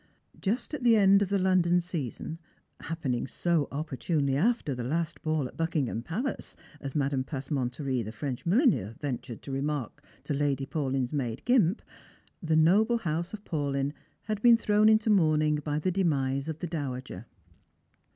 Just at the end of the London season — happening so opportunely after the last ball at Buckingham Palace, as Madame Passementerie, the French milliner, ventured to remark to Lady Paulyn's maid, Gimp — the noble house of Paulyn had been thrown into mourning by the demise of the dowager.